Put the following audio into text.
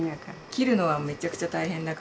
切るのはめちゃくちゃ大変だから。